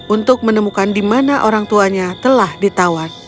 untuk menemukan di mana orang tuanya telah ditawan